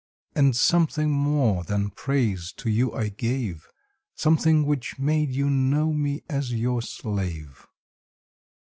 And something more than praise to you I gave— Something which made you know me as your slave.